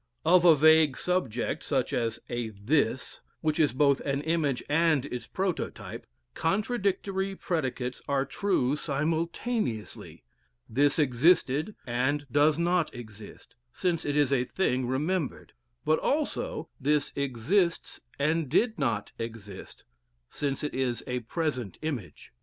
Of a vague subject, such as a "this," which is both an image and its prototype, contradictory predicates are true simultaneously: this existed and does not exist, since it is a thing remembered, but also this exists and did not exist, since it is a present image.